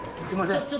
すみません。